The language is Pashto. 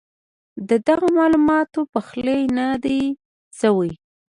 ددغه معلوماتو پخلی نۀ دی شوی